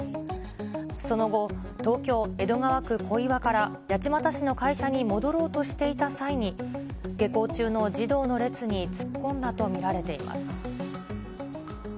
その後、東京・江戸川区小岩から、八街市の会社に戻ろうとしていた際に、下校中の児童の列に突っ込んだと見られています。